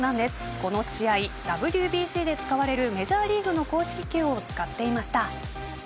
この試合ＷＢＣで使われるメジャーリーグの公式球を使っていました。